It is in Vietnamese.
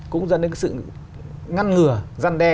cũng dẫn đến sự ngăn ngừa răn đe